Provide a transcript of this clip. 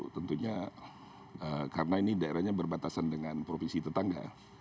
tentunya karena ini daerahnya berbatasan dengan provinsi tetangga